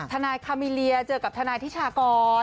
ทนายคามิเลียเจอกับทนายทิชากร